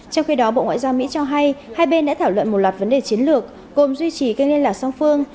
trong khi đó bộ ngoại giao mỹ cho hay hai bên đã thảo luận một loạt vấn đề chiến lược gồm duy trì kênh liên lạc song phương